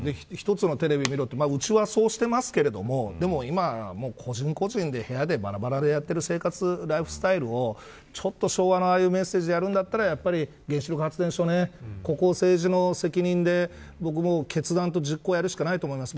１つのテレビで見ろってうちは、そうしてますけどでも今、個人個人で部屋でバラバラでやってる生活ライフスタイルを昭和のああいうメッセージでやるんだったら原子力発電所を政治の責任で決断と実行やるしかないと思います。